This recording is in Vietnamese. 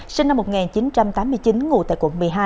sinh năm một nghìn chín trăm tám mươi chín ngụ tại quận một mươi hai